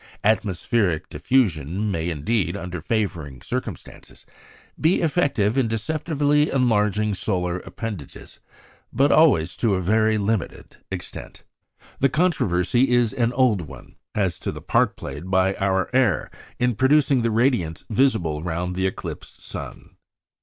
Atmospheric diffusion may indeed, under favouring circumstances, be effective in deceptively enlarging solar appendages; but always to a very limited extent. The controversy is an old one as to the part played by our air in producing the radiance visible round the eclipsed sun.